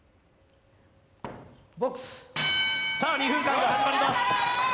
２分間が始まります。